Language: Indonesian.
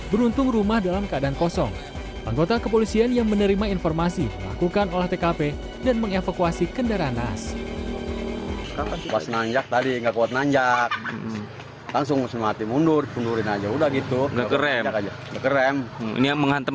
beruntung truk yang dikemudikan di jalan perkantoran cekupa kampung cihasem kecamatan pandeglang kabupaten pandeglang banten